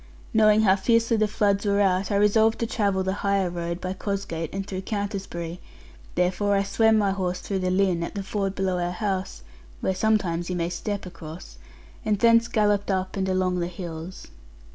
Knowing how fiercely the floods were out, I resolved to travel the higher road, by Cosgate and through Countisbury; therefore I swam my horse through the Lynn, at the ford below our house (where sometimes you may step across), and thence galloped up and along the hills.